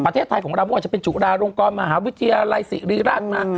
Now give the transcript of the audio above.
ประเทศไทยของเราอาจจะเป็นจุฬาโรงกรรมมหาวิทยาลัยศรีรักษณ์นะ